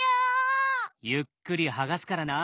ゆっくり剥がすからな。